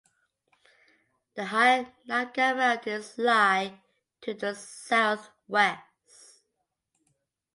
The higher Nyanga Mountains lie to the southwest.